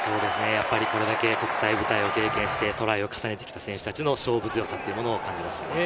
これだけ国際舞台を経験してトライを重ねてきた選手たちの勝負強さというのを感じました。